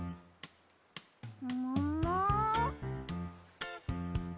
もも？